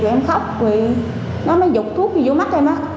rồi em khóc rồi nó mới dục thuốc vô mắt em á